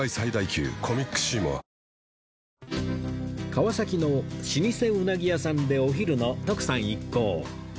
川崎の老舗鰻屋さんでお昼の徳さん一行